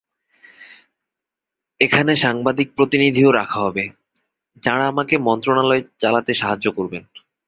এখানে সাংবাদিক প্রতিনিধিও রাখা হবে, যাঁরা আমাকে মন্ত্রণালয় চালাতে সাহায্য করবেন।